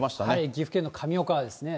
岐阜県の神岡ですね。